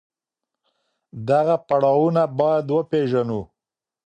دغه پړاوونه بايد وپېژنو.